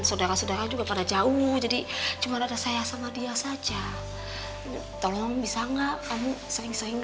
saudara saudara juga pada jauh jadi cuma ada saya sama dia saja tolong bisa enggak kamu sering sering